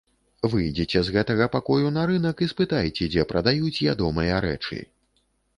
Выйдзеце з гэтага пакою на рынак і спытайце, дзе прадаюць ядомыя рэчы?